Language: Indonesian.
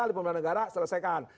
ahli pembelian negara selesaikan